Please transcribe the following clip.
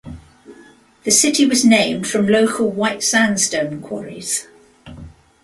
The city was named from local white sandstone quarries.